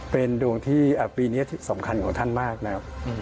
เป็นดวงที่ปีนี้สำคัญของท่านมากนะครับ